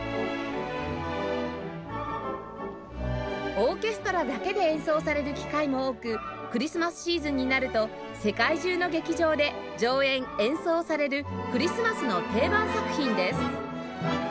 オーケストラだけで演奏される機会も多くクリスマスシーズンになると世界中の劇場で上演・演奏されるクリスマスの定番作品です